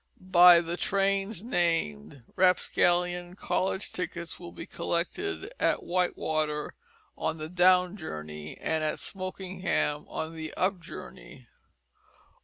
By the Trains named, Rapscallion College tickets will be collected at Whitewater on the Down journey, and at Smokingham on the Up journey.